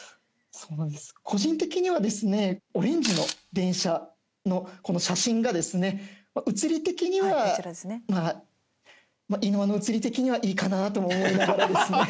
個人的にはですねオレンジの電車のこの写真がですね、写り的には飯沼の写り的にはいいかなと思いながらですね。